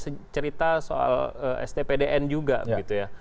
kita pernah punya cerita soal stpdn juga gitu ya